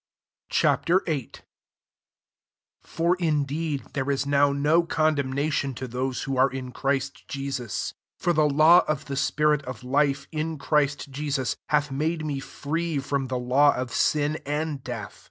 Ch. VIII. 1 For indcjW there ia now no condemnatid to those who are in Christ li sus. 2 For the law of the spil of life, in Christ Jesus, hat made me free from the law J sin and death.